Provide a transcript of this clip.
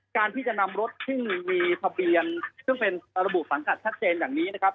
การที่จะนำรถซึ่งมีทะเบียนซึ่งเป็นระบุสังกัดชัดเจนอย่างนี้นะครับ